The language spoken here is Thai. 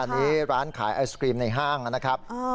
อันนี้ร้านขายไอศกรีมในห้างนะครับ